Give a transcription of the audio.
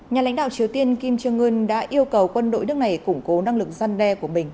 nhà lãnh đạo triều tiên kim trương ưn đã yêu cầu quân đội nước này củng cố năng lực gian đe của mình